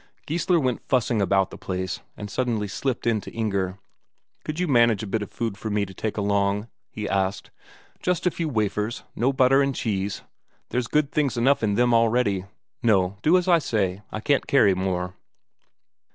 Geissler went fussing about the place, and suddenly slipped in to Inger. "Could you manage a bit of food for me to take along again?" he asked. "Just a few wafers no butter and cheese; there's good things enough in them already. No, do as I say; I can't carry more."